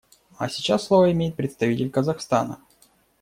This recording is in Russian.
А сейчас слово имеет представитель Казахстана.